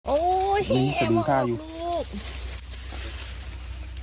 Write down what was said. โอ้เหี้ยมากลูก